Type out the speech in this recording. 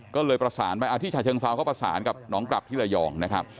ก็เลยประสานไปที่ฉะเชิงเซาเขาประสานกับน้องกลับที่ระยองนะครับ